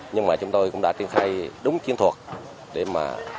nhưng mà chúng tôi cũng đã tiêm khai đúng kiên thuật để mà